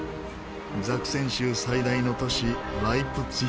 ザクセン州最大の都市ライプツィヒ。